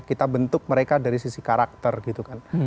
kita bentuk mereka dari sisi karakter gitu kan